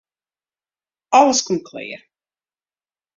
Alles komt klear.